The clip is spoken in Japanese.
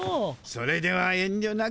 それでは遠りょなく。